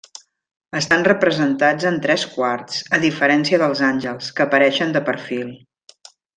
Estan representats en tres quarts, a diferència dels àngels, que apareixen de perfil.